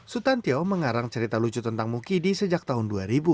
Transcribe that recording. sutan tio mengarang cerita lucu tentang mukidi sejak tahun dua ribu